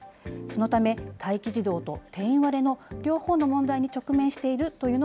そのため、待機児童と定員割れの両方の問題に直面しているという